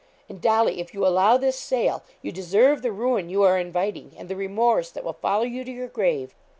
And, Dolly, if you allow this sale, you deserve the ruin you are inviting, and the remorse that will follow you to your grave.'